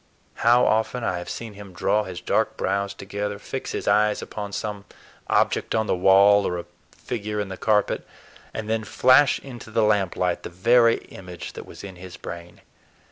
How often I have seen him draw his dark brows together, fix his eyes upon some object on the wall or a figure in the carpet, and then flash into the lamplight the very image that was in his brain.